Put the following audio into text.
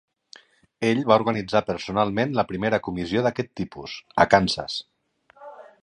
Ell va organitzar personalment la primera comissió d'aquest tipus, a Kansas.